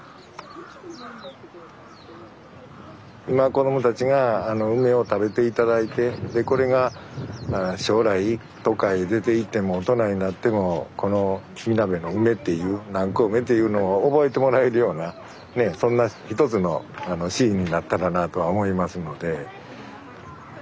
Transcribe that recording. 今子どもたちが梅を食べて頂いてでこれが将来どっかへ出ていっても大人になってもこのみなべの梅っていう南高梅っていうのを覚えてもらえるようなそんな一つのシーンになったらなあとは思いますので。